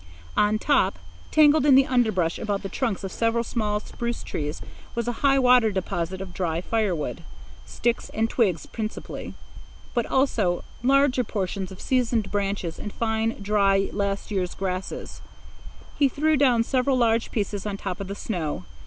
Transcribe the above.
On top, tangled in the underbrush about the trunks of several small spruce trees, was a high water deposit of dry firewood—sticks and twigs principally, but also larger portions of seasoned branches and fine, dry, last year's grasses. He threw down several large pieces on top of the snow.